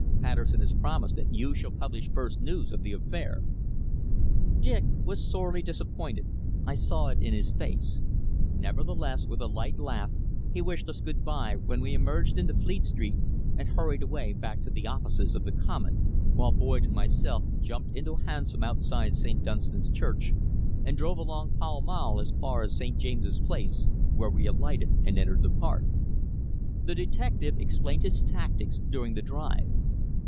Patterson has promised that you shall publish first news of the affair." Dick was sorely disappointed, I saw it in his face; nevertheless, with a light laugh he wished us goodbye when we emerged into Fleet Street, and hurried away back to the offices of the Comet, while Boyd and myself jumped into a hansom outside St. Dunstan's Church, and drove along Pall Mall as far as St. James's Palace, where we alighted and entered the park. The detective explained his tactics during the drive.